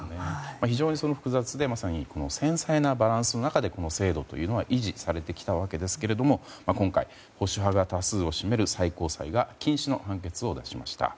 非常に複雑で繊細なバランスの中でこの制度は維持されてきたわけですが今回、保守派が多数を占める最高裁が禁止の判決を出しました。